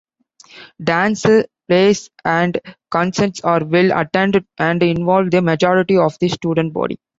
Dances, plays, and concerts are well-attended and involve the majority of the student body.